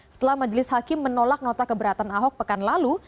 setelah majelis hakim menolak nota keberatan ahok pekan lalu